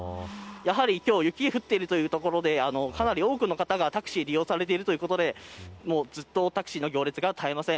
今日、雪が降っているということで、かなり多くの方がタクシーを利用されているということでタクシーの行列が絶えません。